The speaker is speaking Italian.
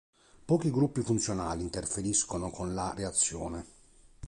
Pochi gruppi funzionali interferiscono con la reazione.